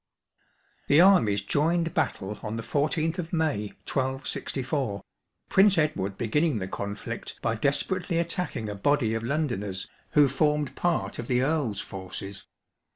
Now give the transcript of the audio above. The armies joined battle on the 14th of May, 1264, Prince £dward beginning the conflict by desperately attacking a body of Londoners, who formed part of the Earl's forces.